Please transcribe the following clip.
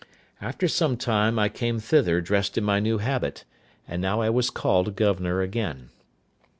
After some time, I came thither dressed in my new habit; and now I was called governor again.